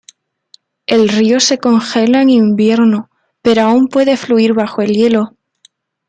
El río se congela en invierno, pero aún puede fluir bajo el hielo.